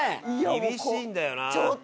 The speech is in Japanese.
厳しいんだよな。